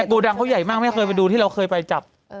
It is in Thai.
โกดังเขาใหญ่มากไม่เคยไปดูที่เราเคยไปจับ